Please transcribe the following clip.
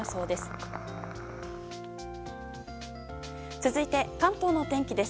続いて、関東の天気です。